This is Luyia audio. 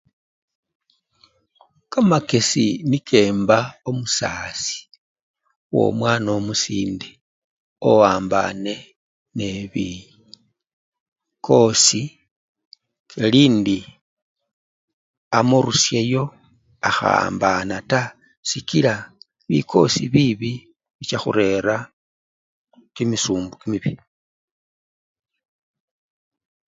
Kamakesi niko emba omusasi owomwana omusinde owambane nebikosi, elindi amurusyeyo akhawambana taa sikila bikosi bibii bicha khurera kimisumbu kimibii.